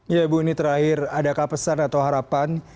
ya bu ini terakhir adakah pesan atau harapan